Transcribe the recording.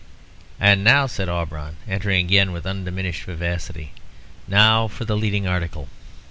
"And now," said Auberon, entering again with undiminished vivacity "now for the leading article."